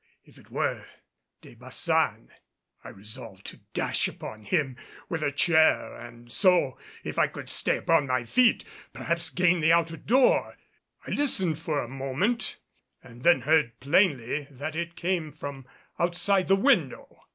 If it were De Baçan, I resolved to dash upon him with a chair and so, if I could stay upon my feet, perhaps gain the outer door. I listened for a moment and then heard plainly that it came from outside the window.